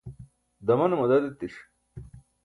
damane madad etiṣ